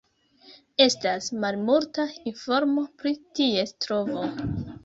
Estas malmulta informo pri ties trovo.